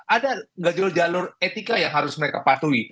ada nggak jalur jalur etika yang harus mereka patuhi